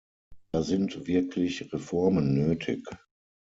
Da sind wirklich Reformen nötig.